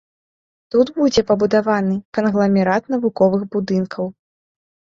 Тут будзе пабудаваны кангламерат навуковых будынкаў.